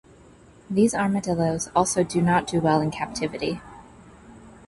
These armadillos also do not do well in captivity.